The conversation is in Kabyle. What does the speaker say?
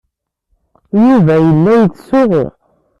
Yuba yella yettsuɣu.